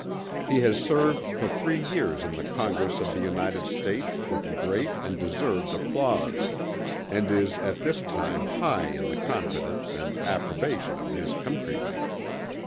He has served for three years in the Congress of the United States with great and deserved applause, and is at this time high in the confidence and approbation of his Countrymen.